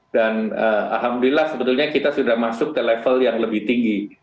dan alhamdulillah sebetulnya kita sudah masuk ke level yang lebih tinggi